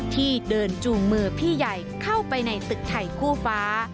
ที่เดินจูงมือพี่ใหญ่เข้าไปในตึกไทยคู่ฟ้า